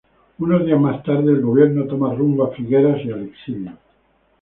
Unos días más tarde el gobierno toma rumbo a Figueras y al exilio.